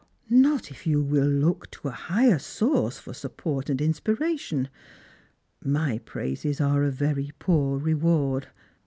"Not if you will iook to a higher source for support and inspira tion. My praises are a very poor reward.